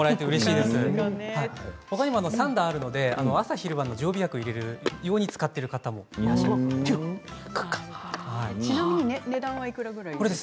３段あるので、朝昼晩の常備薬を入れることに使っている方もいらっしゃるそうです。